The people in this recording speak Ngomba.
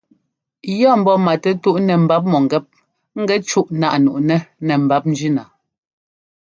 Yɔ́ ḿbɔ́ matɛtúꞌ nɛ mbap mɔ̂ŋgɛ́p ŋgɛ cúꞌ náꞌ nuꞌnɛ́ nɛ mbap njína.